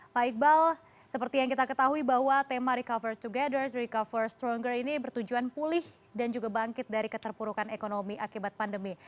pak iqbal seperti yang kita ketahui bahwa tema recover together recover stronger ini bertujuan pulih dan juga bangkit dari keterpurukan ekonomi akibat pandemi